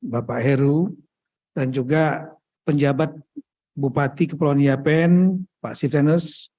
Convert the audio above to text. bapak heru dan juga penjabat bupati kepulauan yapen pak siftenus